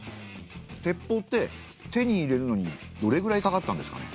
鉄砲って手に入れるのにどれぐらいかかったんですかね？